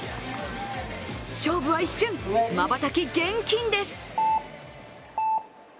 勝負は一瞬、まばたき厳禁です。